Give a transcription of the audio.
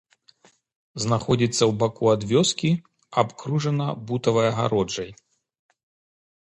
Знаходзіцца ў боку ад вёскі, абкружана бутавай агароджай.